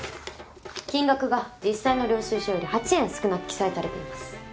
金額が実際の領収書より８円少なく記載されています。